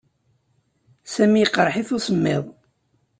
Sami yeqreḥ-it usemmiḍ.